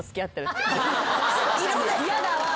嫌だわぁ。